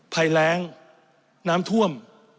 ภัยแรงน้ำท่วม